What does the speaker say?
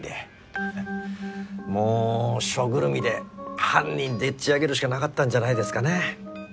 ははっもう署ぐるみで犯人でっちあげるしかなかったんじゃないですかね。